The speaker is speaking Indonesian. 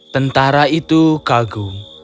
tentara itu kagum